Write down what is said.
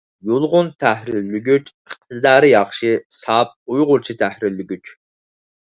يۇلغۇن تەھرىرلىگۈچ — ئىقتىدارى ياخشى، ساپ ئۇيغۇرچە تەھرىرلىگۈچ.